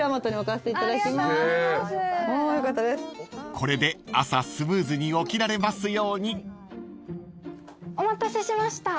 ［これで朝スムーズに起きられますように］お待たせしました。